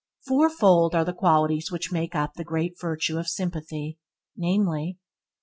Fourfold are the qualities which make up the great virtue of sympathy, namely: 1.